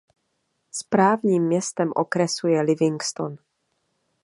Správním městem okresu je Livingston.